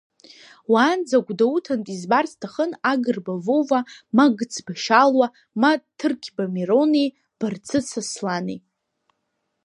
Уаанӡа Гәдоуҭантә избар сҭахын Агырба Вова, ма Гыцба Шьалуа, ма Ҭыркьба Мирони Барцыц Аслани.